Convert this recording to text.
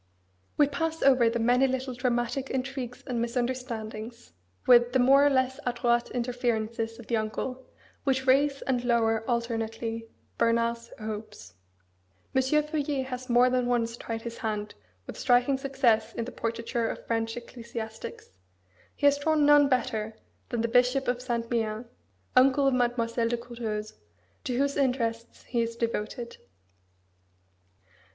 We pass over the many little dramatic intrigues and misunderstandings, with the more or less adroit interferences of the uncle, which raise and lower alternately Bernard's hopes. M. Feuillet has more than once tried his hand with striking success in the portraiture of French ecclesiastics. He has drawn none better than the Bishop of Saint Méen, uncle of Mademoiselle de Courteheuse, to whose interests he is devoted.